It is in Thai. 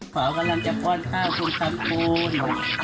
เขากำลังจะป้อนข้าวคุณทำปูน